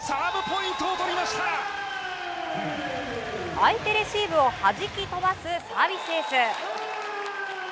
相手レシーブを弾き飛ばすサービスエース。